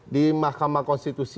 di mahkamah konstitusi